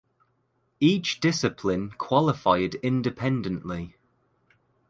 Each discipline qualified independently.